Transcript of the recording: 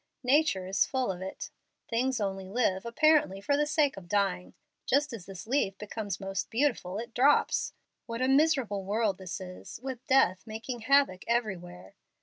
Nature is full of it. Things only live, apparently, for the sake of dying. Just as this leaf becomes most beautiful it drops. What a miserable world this is, with death making havoc everywhere!